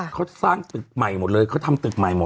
เขาสร้างตึกใหม่หมดเลยเขาทำตึกใหม่หมด